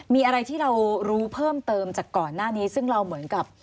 มีอะไรที่เรารู้เพิ่มเติมจากก่อนหน้านี้ซึ่งเราเหมือนกับ